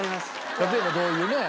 例えばどういうねっ？